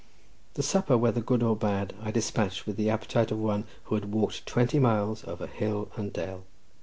The supper, whether good or bad, I despatched with the appetite of one who had walked twenty miles over hill and dale.